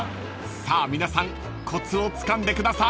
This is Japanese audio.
［さあ皆さんコツをつかんでください］